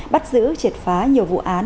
bắt giữ triệt phá nhiều vụ án